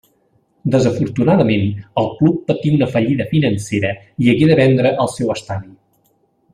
Desafortunadament el club patí una fallida financera i hagué de vendre el seu estadi.